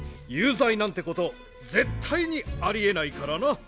有罪なんてこと絶対にありえないからな。